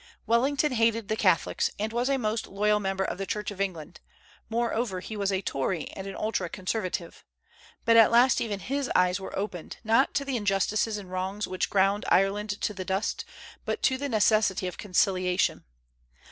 Wellington hated the Catholics, and was a most loyal member of the Church of England; moreover, he was a Tory and an ultra conservative. But at last even his eyes were opened, not to the injustices and wrongs which ground Ireland to the dust, but to the necessity of conciliation.